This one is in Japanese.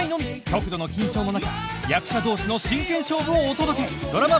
極度の緊張の中役者同士の真剣勝負をお届け！